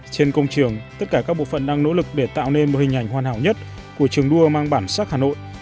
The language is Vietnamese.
trên công trường tất cả các bộ phận đang nỗ lực để tạo nên một hình ảnh hoàn hảo nhất của trường đua mang bản sắc hà nội